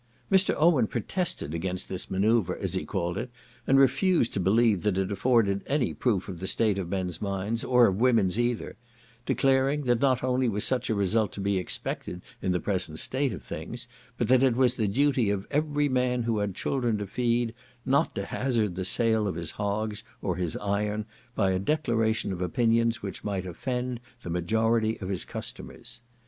Mr. Owen protested against this manoeuvre, as he called it, and refused to believe that it afforded any proof of the state of men's minds, or of women's either; declaring, that not only was such a result to be expected, in the present state of things, but that it was the duty of every man who had children to feed, not to hazard the sale of his hogs, or his iron, by a declaration of opinions which might offend the majority of his customers.